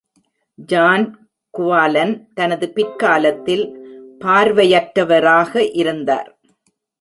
John குவாலன் தனது பிற்காலத்தில் பார்வையற்றவராக இருந்தார்.